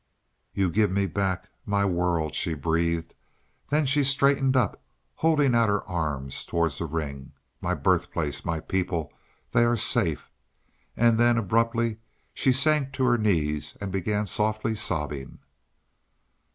"You give me back my world," she breathed; then she straightened up, holding out her arms toward the ring. "My birthplace my people they are safe." And then abruptly she sank to her knees and began softly sobbing.